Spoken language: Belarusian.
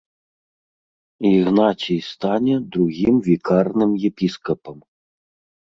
Ігнацій стане другім вікарным епіскапам.